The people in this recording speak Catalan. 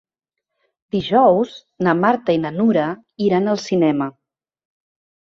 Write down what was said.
Dijous na Marta i na Nura iran al cinema.